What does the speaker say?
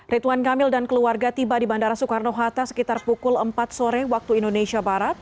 rituan kamil dan keluarga tiba di bandara soekarno hatta sekitar pukul empat sore waktu indonesia barat